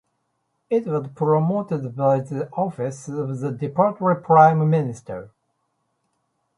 It was promoted by the Office of the Deputy Prime Minister.